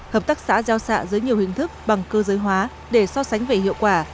hợp tác xã giao xạ dưới nhiều hình thức bằng cơ giới hóa để so sánh về hiệu quả